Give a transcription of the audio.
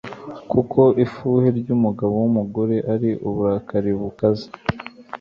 Kuko ifuhe ryumugabo wumugore ari uburakari bukaze